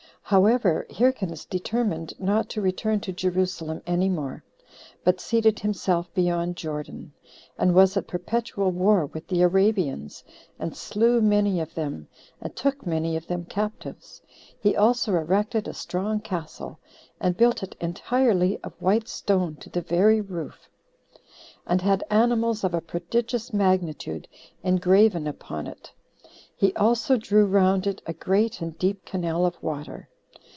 However, Hyrcanus determined not to return to Jerusalem any more, but seated himself beyond Jordan, and was at perpetual war with the Arabians, and slew many of them, and took many of them captives. He also erected a strong castle, and built it entirely of white stone to the very roof, and had animals of a prodigious magnitude engraven upon it. He also drew round it a great and deep canal of water.